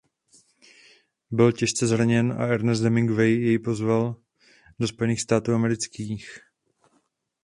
Byl těžce zraněn a Ernest Hemingway jej pozval do Spojených států amerických.